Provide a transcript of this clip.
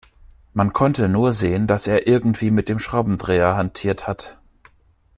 Man konnte nur sehen, dass er irgendwie mit dem Schraubendreher hantiert hat.